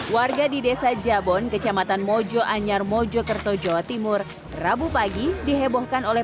warga di desa jabon kecamatan mojo anyar mojokerto jawa timur rabu pagi dihebohkan oleh